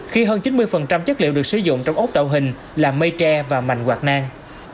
khi hơn chín mươi chất liệu được sử dụng trong ốt tạo hình là mây tre và mảnh quạt nang